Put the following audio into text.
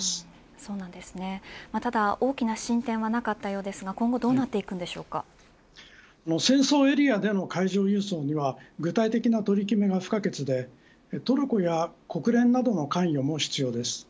ただ大きな進展はなかったようですが今後どうなって戦争エリアでの海上輸送には具体的な取り組みが不可欠でトルコや国連などの関与も必要です。